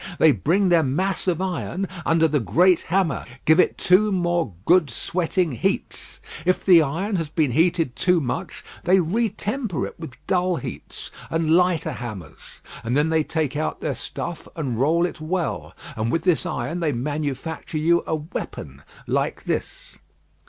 They bring their mass of iron under the great hammer; give it two more good sweating heats. If the iron has been heated too much, they re temper it with dull heats, and lighter hammers. And then they take out their stuff and roll it well; and with this iron they manufacture you a weapon like this."